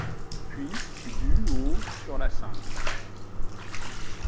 Puis, du au sur La Cinq.